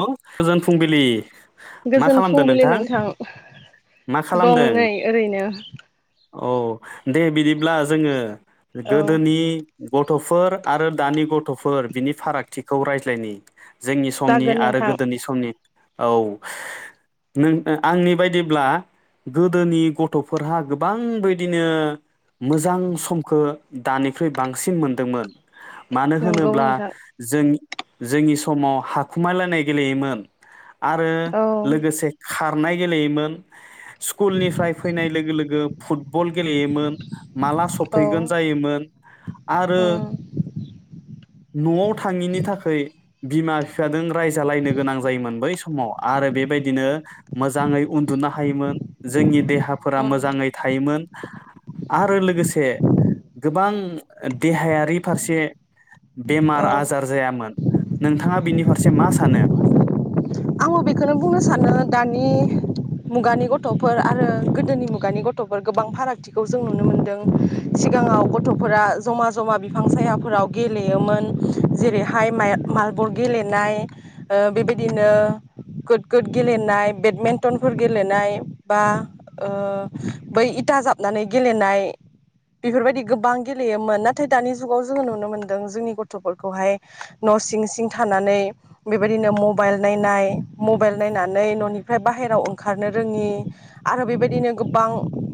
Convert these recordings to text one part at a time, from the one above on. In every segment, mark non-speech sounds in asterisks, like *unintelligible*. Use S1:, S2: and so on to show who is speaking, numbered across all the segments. S1: औ गोजोन फुंबिलि। मा
S2: गोजोन
S1: खालामदों
S2: फुंबिलि नोंथां
S1: मा
S2: दं
S1: खालामदों
S2: नै ओरैनो।
S1: औ दे बिदिब्ला जोङो।
S2: औ
S1: गोदोनि गथ'फोर आरो दानि गथ'फोर बिनि फारागथिखौ रायज्लायनि। जोंनि समनि
S2: जागोन
S1: आरो
S2: नोंथां
S1: गोदोनि समनि। औ नों आंनि बायदिब्ला गोदोनि गथ'फोरहा गोबां बैदिनो मोजां समखो दानिख्रुइ बांसिन मोनदोंमोन। मानो
S2: नंगौ
S1: होनोब्ला
S2: नोंथां
S1: जोंनि जोंनि समाव हाखु खुमायलायनाय गेलेयोमोन। आरो
S2: औ
S1: लोगोसे खारनाय गेलेयोमोन स्कुलनिफ्राय फैनाय लोगो लोगो फुटबल। गेलेयोमोन माला
S2: औ
S1: सफैगोन जायोमोन आरो
S2: उम
S1: न'आव थाङिनि थाखाय बिमा फि बिफाजों रायजालायनो गोनां जायोमोन बै समाव आरो बेबायदिनो मोजाङै उन्दुनो हायोमोन। जोंनि देहाफोरा
S2: उम
S1: मोजाङै थायोमोन। आरो लोगोसे गोबां देहायारि फारसे बेमार
S2: औ
S1: आजार जायामोन। नोंथाङा बिनि फारसे मा सानो।
S2: आंबो बेखौनो बुंनो सानो दानि मुगानि गथ'फोर आरो गोदोनि मुगानि गथ'फोर गोबां फारागथिखौ जों नुनो मोनदों सिगाङाव गथ'फोरा जमा जमा बिफां सायाफोराव गेलेयोमोन जेरैहायाइ माय-मारबल गेलेनाय ओ बेबायदिनो गुद गुद गेलेनाय बेडमेन्टनफोर गेलेनाय बा बै इथा जाबनानै गेलेनाय बेफोरबायदि गोबां गेलेयोमोन नाथाय दानि जुगाव जोङो नुनो मोनदों जोंनि गथ'फोरखौहाय न' सिं सिं थानानै बेबायदिनो मबाइल नायनाय मबाइल नायनानै न'निफ्राय बाहेराव ओंखारनो रोङि आरो बेबायदिनो गोबां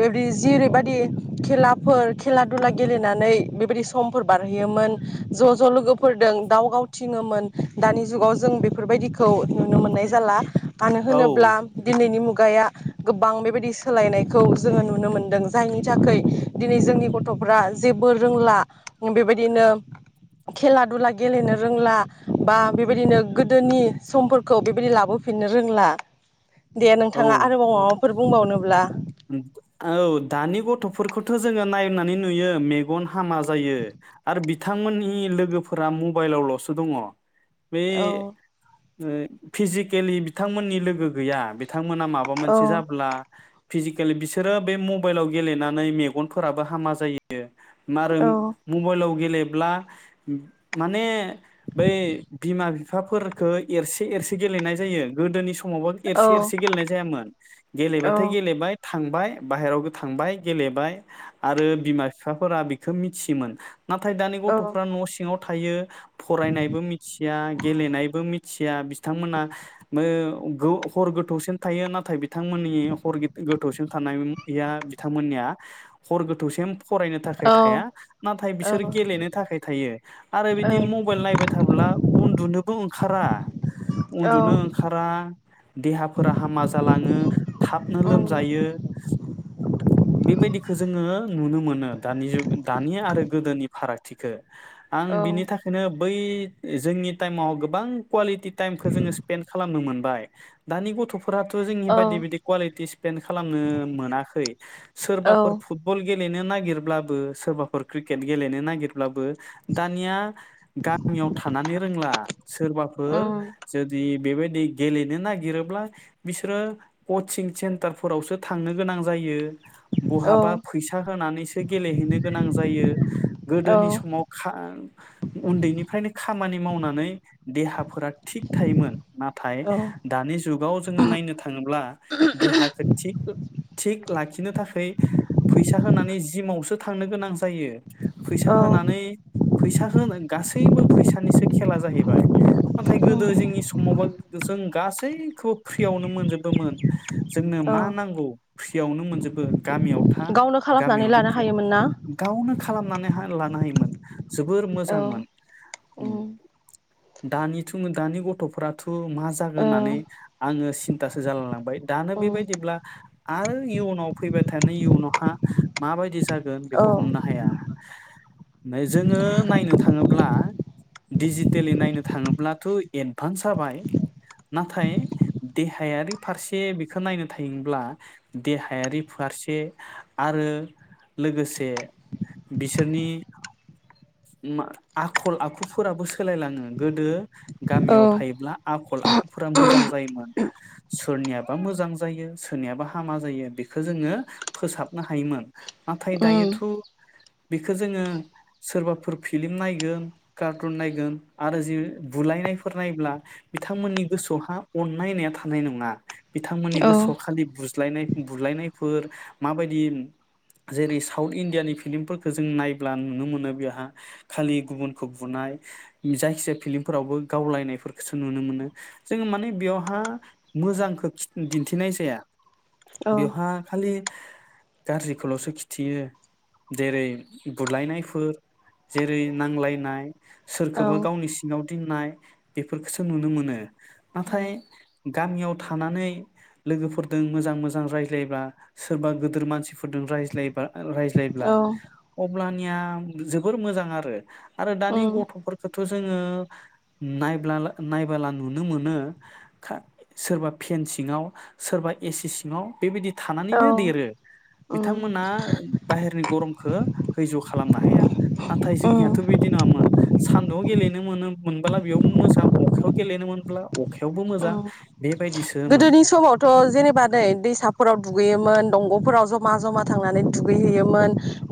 S2: बेबायदि जेरैबायदि खेलाफोर खेला दुला गेलेनानै बेबायदि समफोर बारहोयोमोन ज' ज' लोगोफोरदों दाव गावथिङोमोन दानि जुगाव जों बेफोरबायदिखौ नुनो मोननाय जाला। मानो
S1: औ
S2: होनोब्ला दिनैनि मुग गाया गोबां बेबायदि सोलायनायखौ जोङो नुनो मोनदों जायनि थाखाय दिनै जोंनि गथ'फ्रा जेबो रोंला बेबायदिनो खेला दुला गेलेनो रोंला बा बेबायदिनो गोदोनि समफोर खौ बेबायदि लाबोफिननो रोंला। दे नोंथाङा
S1: औ
S2: आरोबाव माबाफोर बुंबावनोब्ला।
S1: औ दानि गथ'फोरखौथ' जोङो नायनानै नुयो मेगन हामा जायो आरो बिथांमोननि लोगोफोरा मबाइलावल'सो दङ। बे
S2: औ
S1: ओ फिजिकेलि बिथांमोननि लोगो गैया बि थांमोना माबा
S2: औ
S1: मोनसे जाब्ला फिजिकेलि बिसोरो बे मबाइलाव गेलेनानै मेगनफोराबो हामा जायो। मारोम
S2: औ
S1: मबाइलाव गेलेब्ला माने बे बिमा बिफाफोरखौ एरसे एरसे गेलेनाय जायो गोदोनि स मावबा
S2: औ
S1: एरसे एरसे गेलेनाय जायामोन
S2: औ
S1: गेलेबाथाय बाय थांबाय बाहेरावबो थांबाय गेलेबाय आरो बिमा बिफाफोरा बेखौ मिथियोमोन। नाथाय दानि गथ'फ्रा न' सिङाव थायो फरायनायबो मिथिया गेलेनायबो मि थिया बिथांमोना मो गो हर गोथौसिन थायो नाथाय बिथांमोननि हर गे गोथौसिम थानायया बिथांमोननिया हर गोथौसिम फरायनो थाखाय थाया
S2: औ
S1: नाथाय
S2: औ
S1: बिसोर गेलेनो थाखाय थायो आरो बिदि मबाइल नायबाय थाब्ला उन्दुनोबो ओंखारा
S2: औ
S1: उन्दुनो ओंखारा देहाफोरा हामा जालाङो। थाबनो
S2: उम
S1: लोमजायो बेबायदिखौ जोङो नुनो मोनो दानि जु दानि आरो गोदोनि फारागथिखो। आं
S2: औ
S1: बिनि थाखायनो बै जोंनि टाइमाव गोबां कुवालिटि टाइमखौ जोङो स्पेन्ड खालामनो मोनबाय दानि गथ'फो फोराथ' जोंनि
S2: औ
S1: बायदि बिदि लिथिस्फेन खालामनो मोनाखै
S2: औ
S1: सोरबाफोर फुटबल गेलेनो नागिरब्लाबो सोरबाफोर क्रिकेट गेलेनो नागिरब्लाबो दानिया गामियाव थानानै रोंला सोरबाफोर
S2: उम
S1: जुदि बेबायदि गेलेनो नागिरोब्ला बिसोरो कचिं सेन्टारफोरावसो थांनो गोनां जायो।
S2: औ
S1: बहाबा फैसा होनानैसो गेलेहैनो गोनां जायो गोदोनि समाव खा उन्दैनिफ्रायनो खामानि मावनानै देहा फोरा थिग थायोमोन नाथाय
S2: औ
S1: दानि जुगाव जोङो नायनो थाङोब्ला देहाखो थिग थिग लाखिनो थाखाय फैसा होनानै जिमावसो थांनो गोनां जायो। फैसा
S2: औ
S1: होनानै फैसा होनो गासैबो फैसानिसो खेला जाहैबाय नाथाय
S2: उम
S1: गोदो जोंनि समावबा जों गासैखौबो फ्रियावनो मोनजोबोमोन। जोंनो मा
S2: औ
S1: नांगौ फ्रियावनो मोनजोबो गामियाव था
S2: गावनो खालामनानै
S1: गामियावनो
S2: लानो
S1: फ्रिन
S2: हायोमोन ना
S1: गावनो खालामनानै हा लानो हायोमोन जोबोर
S2: ओ
S1: मोजांमोन ओम
S2: उम
S1: दानिथु दानि गथ'फोराथ' मा जागोन
S2: औ
S1: होननानै आङो सिन्थासो जालाय लांबाय दानो
S2: उम
S1: बेबायदिब्ला आरो इयुनाव फैबाय थानाय इयुनावहा माबायदि जा न
S2: औ औ
S1: बेखौ हमनो हाया जोङो नायनो थाङोब्ला डिजिटेलि नायनो थाङोब्लाथ' एडभान्स जाबाय नाथाय देहायारि फार से बेखौ नायनो थायोब्ला देहायारि फारसे आरो लोगोसे बिसोरनि आखल आखुफोराबो सोलायलाङो गोदो गामियाव
S2: औ
S1: थायोब्ला आखल आखुफोरा मोजां जायोमोन सोरनिया बा मोजां जायो सोरनियाबा हामा जायो बेखौ जोङो फोसाबनो हायोमोन नाथाय दायोथ' बेखौ जोङो सोरबाफोर फिलिम नायगोन कारटुन नायगोन आरो जि बुलायनायफोर नायब्ला बिथांमोननि गोसोआवहा अन्नाय होननाया थानाय नङा बिथांमोननि गोसोआव खालि बुज बुलायनाय बुलायनायफोर माबायदि जेरै साउथ इण्डियानि फिलिमफोरखौ जों नायब्ला नुनो मोनो बेहा खालि गुबुनखौ बुनाय जायखिजाया फिलिमफोरावबो गावलायनायफोरखौसो नुनो मोनो जोंङो माने बेवहा मोजांखौ दिन्थिनाय जाया बिवहा खालि गाज्रिखौल'सो खिथियो जेरै बुलायनायफोर जेरै नांलायनाय
S2: औ
S1: सोरखौबा गावनि सिङाव नाय बेफोरखौसो नुनो मोनो
S2: उम
S1: नाथाय गामियाव था थानानै लोगोफोरजों मोजां मोजां रायज्लायबा सोरबा गोदोर मानसिफोरजों रायज्लायबा रायज्लायब्ला अब्लानो *unintelligible* जोबोर मोजां आरो आरो दानि गथ'फोरखौ थ' जोङो नायब्ला नायबोला नुनो मोनो सोरबा फेन सिङाव सोरबा एसि सिङाव बेबायदि
S2: औ
S1: थानानैनो देरो
S2: उम
S1: बिथांमोना बाहेरनि गरम हो हैज्य' खालामनो हाया नाथाय जोंनियाथ' बिदि नङामोन हान्दुआव गेलेनो मोनो मोनबोला बेयाव मोजां अखायाव गेलेनो मोनब्ला अखायावबो मोजां
S2: उम
S1: बेबायदि
S2: गोदोनि समावथ' जेनेबा नै दै सा फोराव दुगैयोमोन दंग'फोराव जमा जमा थांनानै दुगैहैयोमोन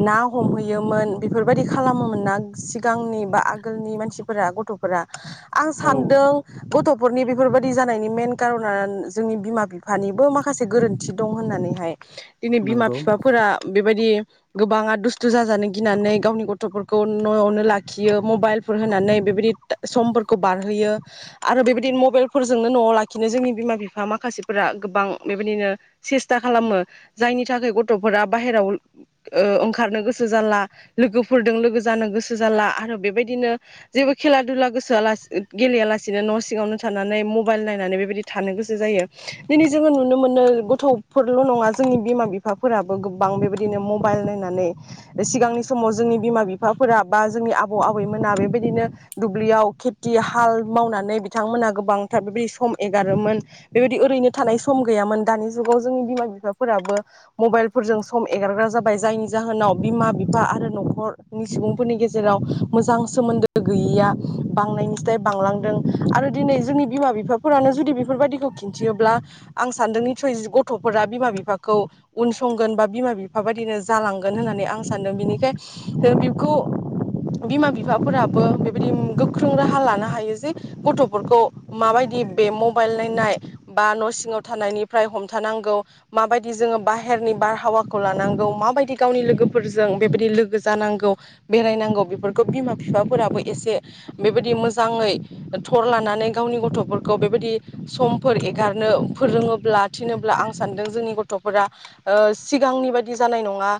S2: ना हमहैयोमोन बेफोरबायदि खालामोमोन ना सिगांनि बा आगोलनि मानसिफोरा गथ'फोरा आं
S1: औ
S2: सानदों गथ'फोरनि बेफोरबायदि जानायनि मेन कारन नान जोंनि बिमा बिफानिबो माखासे गोरोन्थि दं होननानै हाय दिनै बिमा
S1: नंगौ
S2: फिफाफोरा बेबायदि गोबाङा दुस्थु जाजानो गिनानै गावनि गथ'फोरखौ न'आवनो लाखियो मबाइलफोर होनानै बेबायदि समफोरखौ बारहोयो आरो बेबायदिनो मबाइल फोरजोंनो न'आव लाखिनो जोंनि बिमा-बिफा माखासेफोरा गोबां बेबायदिनो सेस्था खालामो जायनि थाखाय गथ'फोरा बाहेराव ओ ओंखारनो गोसो जाला लोगोफोरजों लोगो जानो गोसो जाला आरो बेबायदिनो जेबो खेला दुला गोसोया लासिनो गेलेया लासिनो न' सिङावनो थानानै मबाइल नायनानै बेबायदि थानो गोसो जायो दिनै जोङो नुनो मोनो गथ'फोरल' नङा जोंनि बिमा बिफाफोराबो गोबां बेबायदिनो म बाइल नायनानै सिगांनि समाव जोंनि बिमा-बिफाफोरा बा जोंनि आबौ आबैमोना बेबायदिनो दुब्लियाव खेथि हाल मावनानै बिथांमोना गोबांथार बेबायदि सम ए गारमोन बेबायदि ओरैनो थानाय सम गैयामोन दानि जुगाव जों बिमा-बिफाफोराबो मबाइलफोरजों सम एगारग्रा जाबाय जायनि जाहोनाव बिमा-बिफा आरो न'खरनि सुबुंफोरनि गेजेराव मोजां सोमोन्दो गैयिया बांनायनिसाय बांलांदों आरो दिनै जोंनि बिमा बिफाफोरानो जुदि बेफोरबायदिखौ खिन्थियोब्ला आं सान्दों निथसय ज गथ'फोरा बिमा-बिफाखौ उनसंगोन बा बिमा-बिफा बायदिनो जालांगोन होननानै आं सानदों बिनिखाय खो बिबखौ बिमा-बिफाफोराबो बेबायदि गोख्रों राहा लानो हायो जे गथ'फोरखौ मा बायदि बे मबाइल नायनाय बा न' सिङाव थानायनिफ्राय हमथानांगौ माबायदि जोङो बाहेरनि बारहावाखौ लानांगौ माबायदि गावनि लोगोफोरजों बेबादि लोगो जानांगौ बेरायनांगौ बेफोरखौ बिमा फिफाफोराबो एसे बेबायदि मोजाङै थर लानानै गावनि गथ'फोर खौ बेबायदि समफोर एगारनो फोरोङोब्ला थिनोब्ला आं सानदों जोंनि गथ'फोरा ओ सिगांनि बादि जानाय नङा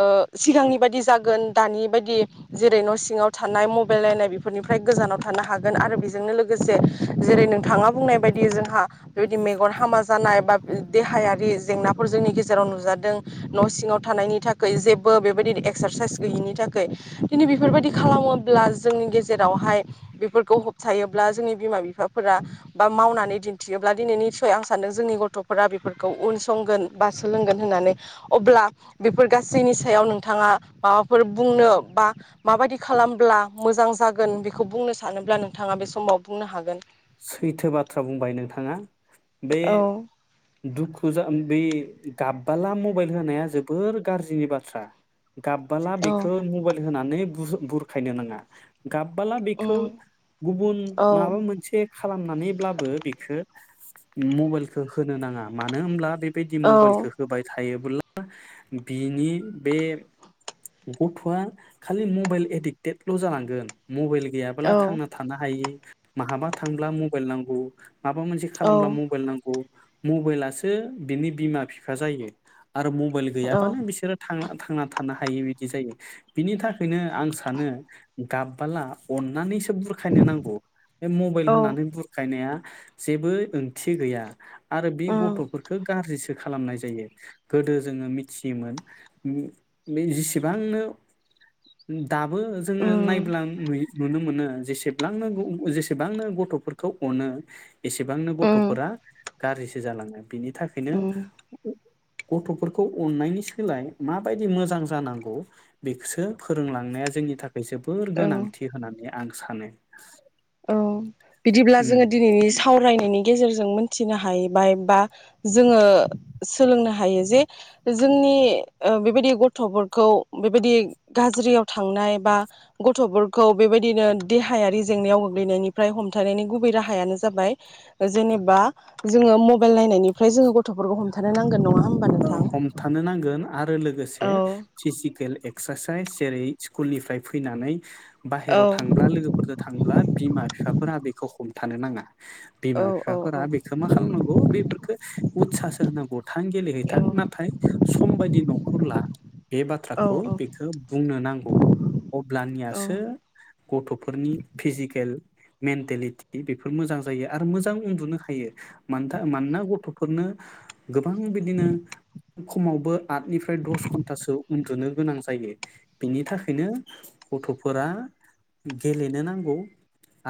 S2: ओ सिगांनि बाबदि जागोन दानि बायदि जेरै न' सिङाव थानाय मबाइल नायनाय बेफोरनिफ्राय गोजानाव थानो हागोन आरो बेजोंनो लोगोसे जेरै नों थाङा बुंनाय बायदि जोंहा बेबायदि मेगन हामा जानाय बा देहायारि जेंनाफोर जोंनि गेजेराव नुजादों न' सिङाव थानायनि थाखाय जेबो बेबायदि एक्सारसाइस गैयिनि थाखाय खिनथु बेफोरबायदि खालामोब्ला जोंनि गेजेरावहाय बेफोरखौ होबथायोब्ला जोंनि बिमा बिफाफोरा बा मावनानै दिन्थियोब्ला दिनैनि फाय आं सानदों जोंनि गथ'फोरा बेफोरखौ उनसंगोन बा सोलोंगोन होननानै अब्ला बेफोर गासैनि सायाव नोंथाङा माबाफोर बुंनो बा माबायदि खालामब्ला मोजां जागोन बेखौ बुंनो सानोब्ला नोंथाङा बे समाव बुंनो हागोन
S1: थो बाथ्रा बुंबाय नोंथाङा बे
S2: औ
S1: दुखु जा बे गाबबाला मबाइल होनाया जोबोर गाज्रिनि बाथ्रा‌। गाबबाला‌
S2: औ
S1: बेखो मबाइल होनानै बुह बुरखायनो नाङा। गाबबाला बेखौ
S2: उम
S1: गुबुन
S2: औ
S1: माबा मोन खालामनानैब्लाबो बेखो मबाइलखो होनो नाङा मानो होमब्ला बेबायदि
S2: औ
S1: मबाइलखो होबाय था थायोब्ला बिनि बे गथ'आ खालि मबाइल एडिक्टेदल जालांगोन‌। मबाइल गैयाब्ला
S2: औ
S1: थांना थानो हायै माहाबा। थांब्ला मबाइल नांगौ। माबा मोनसे खालामब्ला
S2: औ
S1: मबाइल नांगौ। मबाइलासो बिनि बिमा बिफा जायो। आरो मबाइल
S2: औ
S1: गैयाबानो बिसोरो थांना। थांना थानो हायि बिदि जायो बिनि थाखोयनो आं सानो गाबबाला अननानैसो बुरखायनो नांगौ। बेल
S2: औ
S1: होनानै बुरखायनाया। जेबो ओंथि गैया। आरो बे
S2: उम
S1: गथ'फोरखो गाज्रिसो खो खालामनाय जायो गोदो जोङो मिथियोमोन बे जिसेबांनो दाबो जोङो
S2: उम
S1: नायब्ला नुयो नुनो मोनो जेसेब्लांनांगौ जेसेब बांनो गथ'फोरखौ अनो एसेबांनो
S2: उम
S1: गथ'फोरा गाज्रिसो जालाङो। बिनि थाखोयनो
S2: उम
S1: गथ'फोरखौ अननायनि सोलाय माबायदि मोजां जानांगौ बेखोसो फोरोंलांनाया जोंनि थाख जोबोर
S2: औ
S1: गोनांथि होनानै आं सानो।
S2: औ। बिदिब्ला
S1: उम
S2: जोंङो दिनैनि सावरायनायनि। गेजेरजों मिथिनो हाहबाय बा जोङो सोलोंनो हायो जे जोंनि ओ बेबायदि गथ'फोरखौ बेबायदि गाज्रियाव थांनाय बा गथ'फोरखौ बेबायदिनो देहायारि जेंनायाव गोग्लोयनायनिफ्राय हमथानायनि गुबै राहायानो जाबाय जेनेबा जोंङो मबाइल नायनायनिफ्राय जोंङो गथ'फोरखौ हमथानो नांगोन नंङा।
S1: हमथानो नांगोन आरो लोगोसे
S2: औ
S1: फिजिकेल एक्सारसाइस जेरै स्कुलनिफ्राय फैनानै
S2: औ
S1: बाहेराव थांब्ला लोगोफोरजों थांब्ला बिमा बिफाफोरा बेखौ हम। थानो नाङा।
S2: औ
S1: बिमा बिफाफोरा
S2: औ
S1: बेखौ मा खालामनांगौ बेफोरखौ उत्सासो होनांगौ थां गेलेहै बिथां नाथाय सम बायदि न'खौला बे
S2: औ
S1: बाथ्राखौ बेखौ बुंनो नांगौ
S2: औ
S1: अब्लानियासो गथ'फोरनि फिजिकेल मेन्टेलिटि बेफोर मोजां जायो आरो मोजां उन्दुनो हायो मानोना गथ'फोरनो गोबां बिदिनो। खमावबो आटनिफ्राय दस घन्टासो उन्दुनो गोनां जायो बेनि थाखायनो गथ'फोरा गेलेनो नांगौ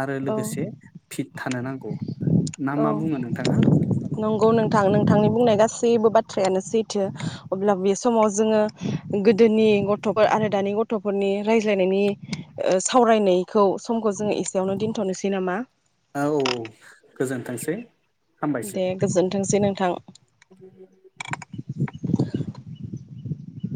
S1: आरो
S2: औ
S1: लोगोसे फिट थानो नांगौ। ना
S2: औ
S1: मा बुङो नोंथाङा
S2: नंगौ नोंथां नोंथांनि बुंनाय गासैबो बाथ्रा। थ्रायानो सैथो अब्ला बे समाव जोङो गोदोनि गथ'फोर आरो दानि गथ'फोरनि रायज्लायनायनि सावरायनायखौ समखौ जोङो एसेयावनो दोनथ'नोसै नामा
S1: औ औ औ गोजोनथोंसै। हामबायसै
S2: दे गोजोनथों। थोंसै नोंथां
S1: *inaudible*